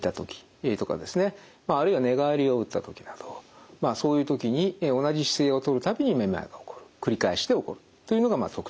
まああるいは寝返りを打ったときなどまあそういうときに同じ姿勢をとる度にめまいが起こる繰り返して起こるというのが特徴です。